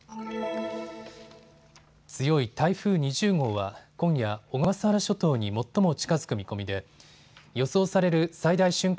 強い台風２０号は今夜、小笠原諸島に最も近づく見込みで予想される最大瞬間